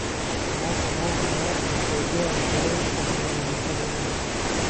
دا سړه هوا د توبې د غره څخه را الوتې وي.